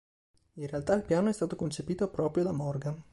In realtà, il piano è stato concepito proprio da Morgan.